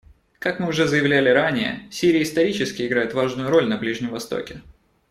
Как мы уже заявляли ранее, Сирия исторически играет важную роль на Ближнем Востоке.